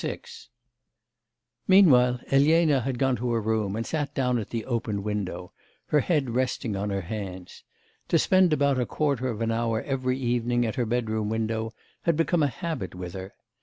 VI Meanwhile, Elena had gone to her room, and sat down at the open window, her head resting on her hands. To spend about a quarter of an hour every evening at her bedroom window had become a habit with her.